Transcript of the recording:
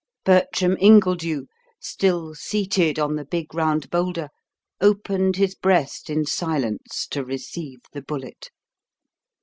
Bertram Ingledew, still seated on the big round boulder, opened his breast in silence to receive the bullet.